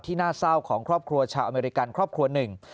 น่าเศร้าของครอบครัวชาวอเมริกันครอบครัวหนึ่ง